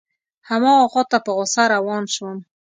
هماغه خواته په غوسه روان شوم.